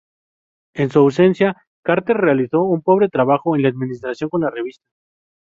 En su ausencia, Carter realizó un pobre trabajo en la administración de la revista.